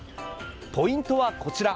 ポイントはこちら。